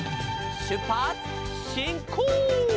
「しゅっぱつしんこう！」